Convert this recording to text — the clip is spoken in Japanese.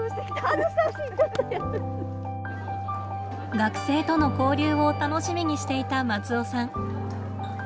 学生との交流を楽しみにしていた松尾さん。